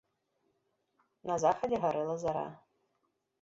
На захадзе гарэла зара.